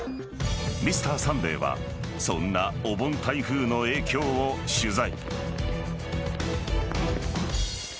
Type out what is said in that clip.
「Ｍｒ．サンデー」はそんなお盆台風の影響を取材。